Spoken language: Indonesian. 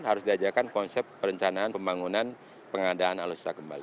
harus diajarkan konsep perencanaan pembangunan pengadaan alutsista kembali